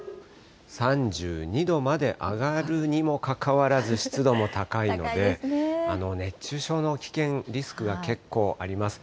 ３２度まで上がるにもかかわらず、湿度も高いので、熱中症の危険、リスクが結構あります。